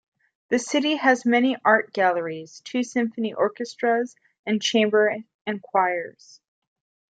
The city has many art galleries, two symphony orchestras and chamber and choirs.